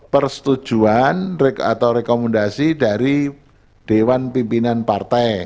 persetujuan atau rekomendasi dari dewan pimpinan partai